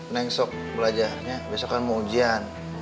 neng sok belajarnya besok kan mau ujian